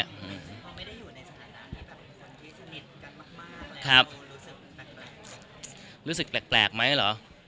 พอไม่ได้อยู่ในสถานที่แบบที่สนิทกันมากแล้วรู้สึกแปลกรู้สึกแปลกไหมหรอ